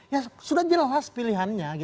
ya sudah jelas pilihannya